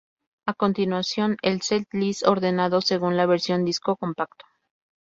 A continuación el "setlist" ordenado según la versión disco compacto